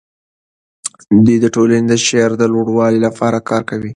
دوی د ټولنې د شعور د لوړولو لپاره کار کوي.